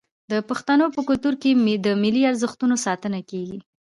د پښتنو په کلتور کې د ملي ارزښتونو ساتنه کیږي.